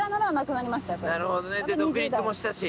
なるほどね独立もしたし。